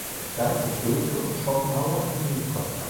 Er stand mit Goethe und Schopenhauer in Briefkontakt.